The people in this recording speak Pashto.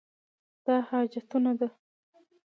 دا حاجتونه ده.